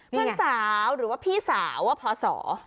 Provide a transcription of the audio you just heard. เพื่อนสาวหรือว่าพี่สาวว่าพศ